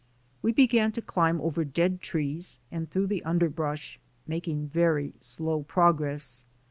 We began to climb over dead trees and through the underbrush, making very slow progress.